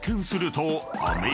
［と